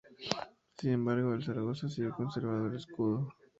Sin embargo, el Zaragoza siguió conservando su escudo.